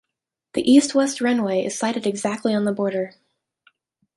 The east-west runway is sited exactly on the border.